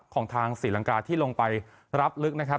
ของทางศรีลังกาที่ลงไปรับลึกนะครับ